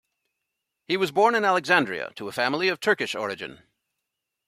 He was born in Alexandria to a family of Turkish origin.